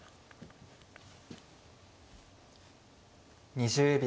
２０秒。